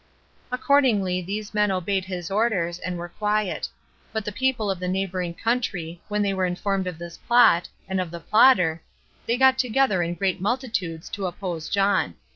Accordingly, these men obeyed his orders, and were quiet; but the people of the neighboring country, when they were informed of this plot, and of the plotter, they got together in great multitudes to oppose John.